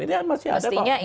ini kan masih ada kok